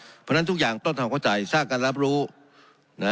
เพราะฉะนั้นทุกอย่างต้องทำเข้าใจสร้างการรับรู้นะ